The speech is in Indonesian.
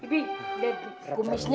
ibi liat kumisnya